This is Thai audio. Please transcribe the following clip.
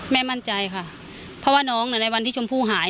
มั่นใจค่ะเพราะว่าน้องในวันที่ชมพู่หาย